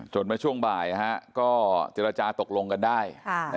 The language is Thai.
จนมาช่วงบ่ายติราจาตกลงกันได้